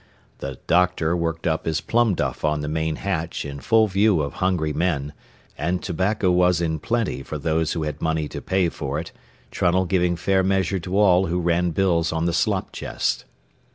The "doctor" worked up his plum duff on the main hatch in full view of hungry men, and tobacco was in plenty for those who had money to pay for it, Trunnell giving fair measure to all who ran bills on the slop chest.